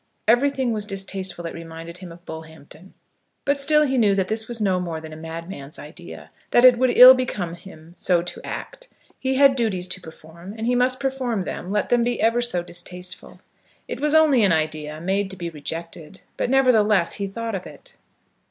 Everything was distasteful that reminded him of Bullhampton. But still he knew that this was no more than a madman's idea; that it would ill become him so to act. He had duties to perform, and he must perform them, let them be ever so distasteful. It was only an idea, made to be rejected; but, nevertheless, he thought of it.